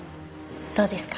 どうですか？